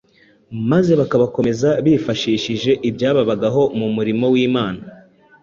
maze bakabakomeza bifashishije ibyababagaho mu murimo w’Imana